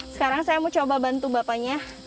sekarang saya mau coba bantu bapaknya